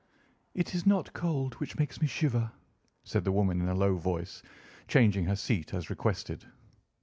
"It is not cold which makes me shiver," said the woman in a low voice, changing her seat as requested.